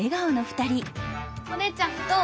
お姉ちゃんどう？